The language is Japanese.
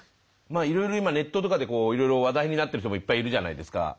まあいろいろ今ネットとかでこういろいろ話題になってる人もいっぱいいるじゃないですか。